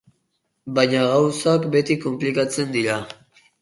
Baina gauzak beti konplikatzen dira.